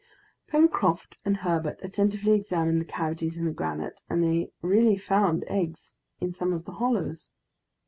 Pencroft and Herbert attentively examined the cavities in the granite, and they really found eggs in some of the hollows.